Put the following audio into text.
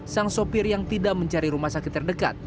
sang sopir yang tidak mencari rumah sakit terdekat